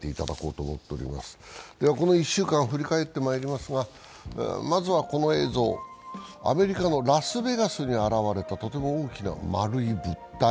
では、この１週間を振り返ってまいりますが、まずはこの映像、アメリカのラスベガスに現れたとても大きな丸い物体。